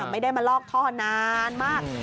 ไม่ได้มาลอกท่อนานมาก